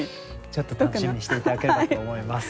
ちょっと楽しみにして頂ければと思います。